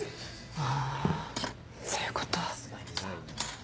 あぁそういうこと。